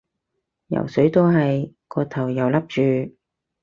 游水都係，個頭又笠住